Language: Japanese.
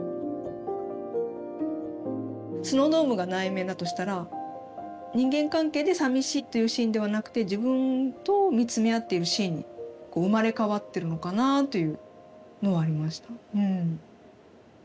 スノードームが内面だとしたら人間関係でさみしいというシーンではなくて自分と見つめ合っているシーンに生まれ変わってるのかなというのはありました。